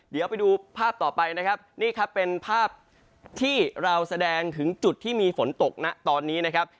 เดี๋ยวไปดูภาพต่อไปนะครับนี่ครับเป็นภาพที่เราแสดงถึงจุดที่มีฝนตกนะตอนนี้นะครับ